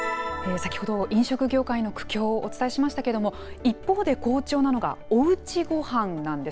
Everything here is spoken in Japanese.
先ほど、飲食業界の苦境をお伝えしましたけども、一方で好調なのが、おうちごはんなんです。